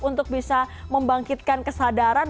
untuk bisa membangkitkan kesadaran